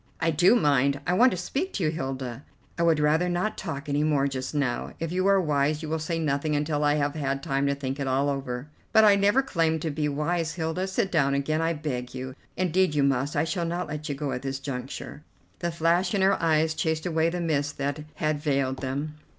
"I do mind. I want to speak to you, Hilda." "I would rather not talk any more just now. If you are wise you will say nothing until I have had time to think it all over." "But I never claimed to be wise, Hilda. Sit down again, I beg of you. Indeed you must, I shall not let you go at this juncture." The flash in her eyes chased away the mist that had veiled them.